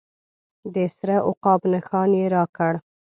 د سره عقاب نښان یې راکړ.